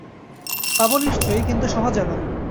পাব নিশ্চয়ই, কিন্তু সহজে নয়।